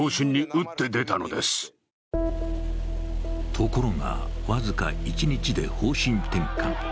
ところが僅か１日で方針転換。